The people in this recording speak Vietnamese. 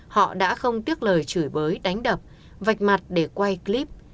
họ đã không tiếc lời chửi bới đánh đập vạch mặt để quay clip